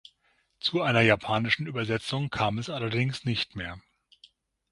Zu einer japanischen Übersetzung kam es allerdings nicht mehr.